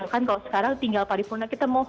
kalau sekarang tinggal paripun